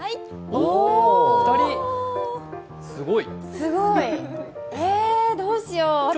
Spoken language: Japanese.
すごい。どうしよう、私。